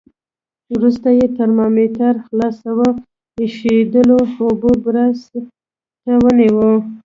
وروسته یې ترمامتر خالصو ایشېدلو اوبو بړاس ته ونیو.